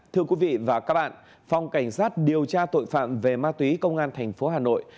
thưa quý vị và các bạn phòng cảnh sát điều tra tội phạm về ma túy công an thành phố hà nội